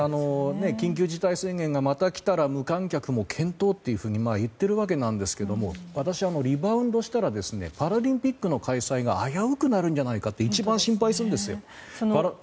緊急事態宣言がまたきたら無観客も検討としていますが私はリバウンドしたらパラリンピックの開催が危うくなるんじゃないかと一番心配するんですよ。